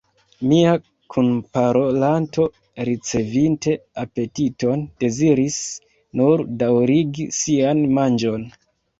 Mia kunparolanto, ricevinte apetiton, deziris nur daŭrigi sian manĝon.